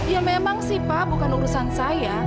ya memang sih pak bukan urusan saya